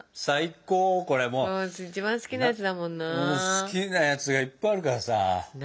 好きなやつがいっぱいあるからさ。